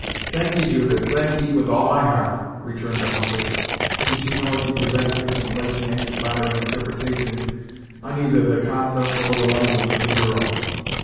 "Thankee, Judith, thankee with all my heart," returned the hunter, whose humility prevented him from placing any flattering interpretation on either the conduct or the language of the girl.